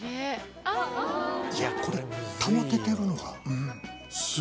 いやこれ保ててるのがすごいよ。